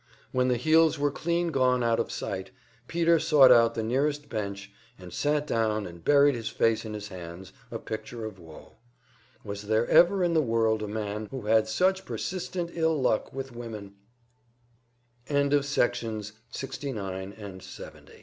When the heels were clean gone out of sight, Peter sought out the nearest bench and sat down and buried his face in his hands, a picture of woe. Was there ever in the world a man who had such persistent ill luck with women? Section 71 These were days of world agony, when people bought the